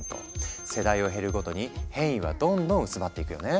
世代を経るごとに変異はどんどん薄まっていくよね。